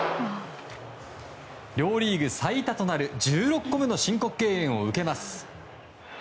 両リーグ最多となる１６個目の申告敬遠を受けます。